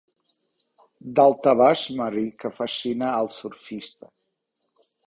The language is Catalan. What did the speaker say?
Daltabaix marí que fascina al surfista.